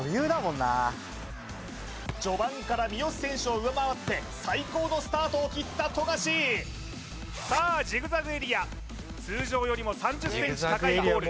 序盤から三好選手を上回って最高のスタートを切った富樫さあジグザグエリア通常よりも３０ｃｍ高いゴール